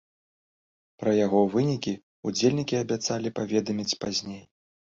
Пра яго вынікі ўдзельнікі абяцалі паведаміць пазней.